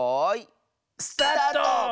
スタート！